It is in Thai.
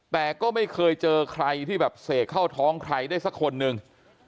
แต่ก็ไม่เคยเจอใครที่แบบเสกเข้าท้องใครได้สักคนหนึ่ง